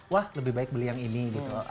wah lebih baik beli yang ini gitu